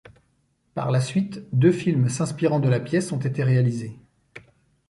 Par la suite, deux films s'inspirant de la pièce ont été réalisés.